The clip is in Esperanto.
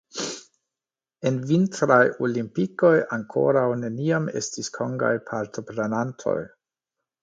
En vintraj olimpikoj ankoraŭ neniam estis kongaj partoprenantoj.